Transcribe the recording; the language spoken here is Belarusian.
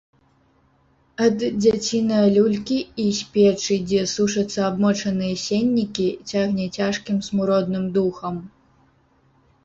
Ад дзяцінае люлькі і з печы, дзе сушацца абмочаныя сеннікі, цягне цяжкім смуродным духам.